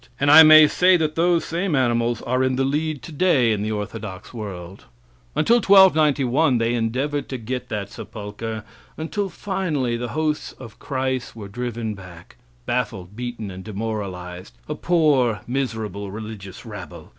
And I may say that those same animals are in the lead today in the orthodox world. Until 1291 they endeavored to get that sepulchre, until finally the hosts of Christ were driven back, baffled, beaten, and demoralized a poor, miserable religious rabble.